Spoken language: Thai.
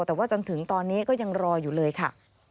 แต่ว่าจนถึงตอนนี้ก็ยังรออยู่เลยค่ะ